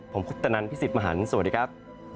ผมพุธธนันทร์พี่สิบมหันทร์สวัสดีครับ